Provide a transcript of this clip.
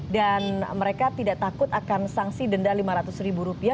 dan mereka tidak takut akan sangsi denda lima ratus ribu rupiah